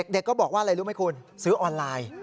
เด็กก็บอกว่าอะไรรู้ไหมคุณซื้อออนไลน์